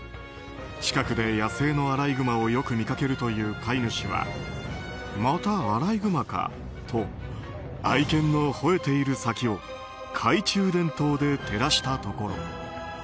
近くで野生のアライグマをよく見かけるという飼い主はまたアライグマかと愛犬の吠えている先を懐中電灯で照らしたところ